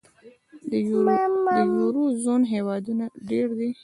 د یورو زون هېوادونه ډېر دي.